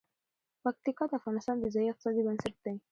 پکتیکا د افغانستان د ځایي اقتصادونو بنسټ دی.